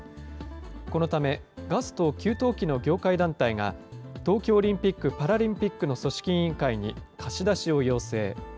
このため、ガスと給湯器の業界団体が、東京オリンピック・パラリンピックの組織委員会に貸し出しを要請。